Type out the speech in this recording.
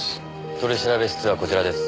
取調室はこちらです。